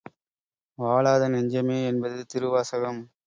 வாழாத நெஞ்சமே! என்பது திருவாசகம்.